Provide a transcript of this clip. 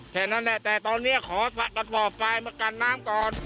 แต่ตอนนี้ขอสะตัดป่อบไฟมากันน้ำก่อน